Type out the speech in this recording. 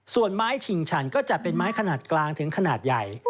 ส่วนไม้ฉิงฉันก็จะเป็นไม้ขนาดกลางถึงขนาดใหญ่